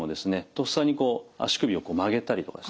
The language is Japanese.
とっさに足首を曲げたりとかですね